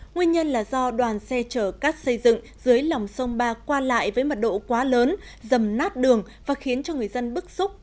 nguyên nhân là do đoàn xe chở cắt xây dựng dưới lòng sông ba qua lại với mật độ quá lớn dầm nát đường và khiến cho người dân bức xúc